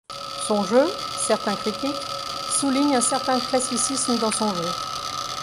Son jeu Certains critiques soulignent un certain classicisme dans son jeu.